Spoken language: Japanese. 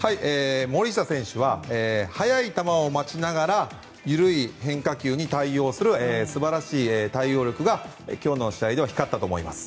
森下選手は速い球を待ちながら緩い変化球に対応する素晴らしい対応力が今日の試合では光ったと思います。